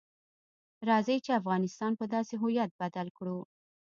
راځئ چې افغانستان په داسې هویت بدل کړو.